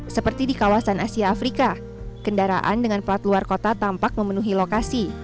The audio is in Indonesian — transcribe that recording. seperti di kawasan asia afrika kendaraan dengan plat luar kota tampak memenuhi lokasi